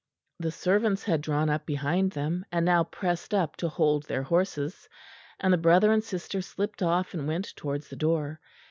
The servants had drawn up behind them, and now pressed up to hold their horses; and the brother and sister slipped off and went towards the door.